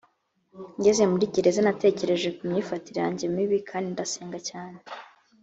ngeze muri gereza natekereje ku myifatire yanjye mibi kandi ndasenga cyane